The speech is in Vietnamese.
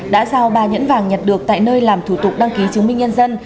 đã giao ba nhẫn vàng nhặt được tại nơi làm thủ tục đăng ký chứng minh nhân dân